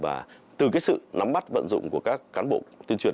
và từ cái sự nắm bắt vận dụng của các cán bộ tuyên truyền